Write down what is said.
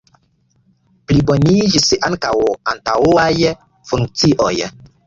Pliboniĝis ankaŭ antaŭaj funkcioj.